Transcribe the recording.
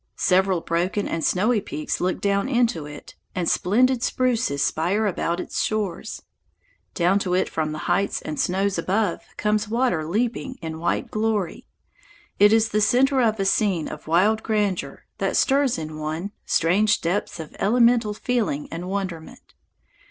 Several broken and snowy peaks look down into it, and splendid spruces spire about its shores. Down to it from the heights and snows above come waters leaping in white glory. It is the centre of a scene of wild grandeur that stirs in one strange depths of elemental feeling and wonderment.